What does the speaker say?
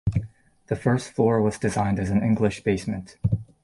The first floor was designed as an English basement.